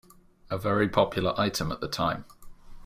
A very popular item at the time.